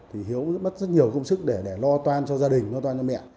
hiếu mất rất nhiều công sức để lo toan cho gia đình lo toan cho mẹ